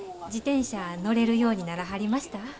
自転車乗れるようにならはりました？